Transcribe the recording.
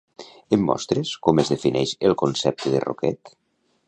Em mostres com es defineix el concepte de roquet?